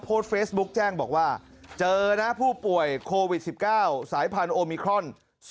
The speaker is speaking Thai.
โพสต์เฟซบุ๊กแจ้งบอกว่าเจอนะผู้ป่วยโควิด๑๙สายพันธุมิครอน